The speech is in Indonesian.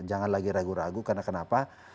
jangan lagi ragu ragu karena kenapa